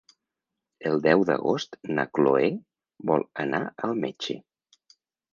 El deu d'agost na Cloè vol anar al metge.